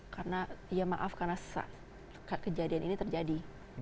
karena ya maaf karena kejadian ini terjadi